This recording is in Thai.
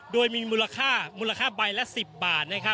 โดยมีมูลค่ามูลค่าใบละ๑๐บาท